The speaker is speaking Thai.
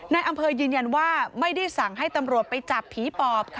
ในอำเภอยืนยันว่าไม่ได้สั่งให้ตำรวจไปจับผีปอบ